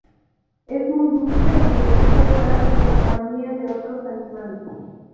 Es muy dulce y le gusta estar en compañía de otros animales.